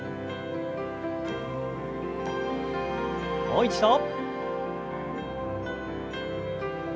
もう一度。